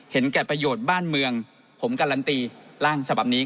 แก่ประโยชน์บ้านเมืองผมการันตีร่างฉบับนี้